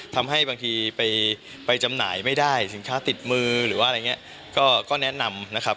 ทำให้บางทีไปจำหน่ายไม่ได้สินค้าติดมือหรือว่าอะไรอย่างนี้ก็แนะนำนะครับ